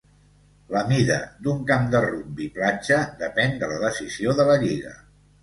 La mida d'un camp de rugbi platja depèn de la decisió de la lliga.